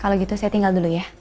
kalau gitu saya tinggal dulu ya